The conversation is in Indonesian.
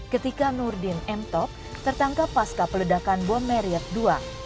ketika nurdin emtok tertangkap pasca peledakan bom meriet ii